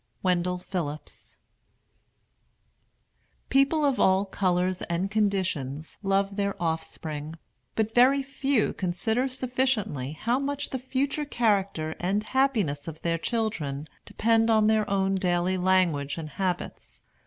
WENDELL PHILLIPS. EDUCATION OF CHILDREN. BY L. MARIA CHILD. People of all colors and conditions love their offspring; but very few consider sufficiently how much the future character and happiness of their children depend on their own daily language and habits.